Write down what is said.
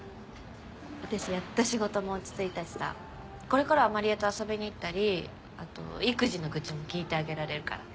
私やっと仕事も落ち着いたしさこれからは麻理恵と遊びに行ったりあと育児の愚痴も聞いてあげられるから。